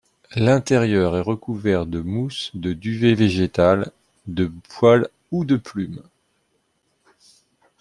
L'intérieur est recouvert de mousse, de duvet végétal, de poils ou de plumes.